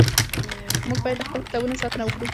موږ باید د خپلو کتابونو ساتنه وکړو.